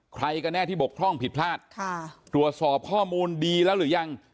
ใครกันแน่ที่บกพร่องผิดพลาดค่ะตรวจสอบข้อมูลดีแล้วหรือยัง